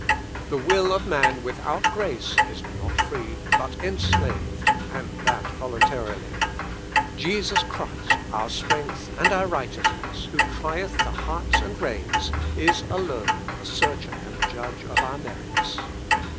"The will of man without grace is not free, but enslaved, and that voluntarily. "Jesus Christ, our strength and our righteousness, who trieth the hearts and reins, is alone the Searcher and Judge of our merits.